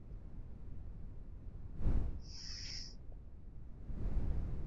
সুতরাং এই অবস্থাগুলির সহিত সংগ্রামের জন্য ঐ শক্তি নব নব রূপ ধারণ করিতেছে।